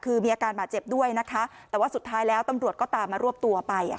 คือมีอาการบาดเจ็บด้วยนะคะแต่ว่าสุดท้ายแล้วตำรวจก็ตามมารวบตัวไป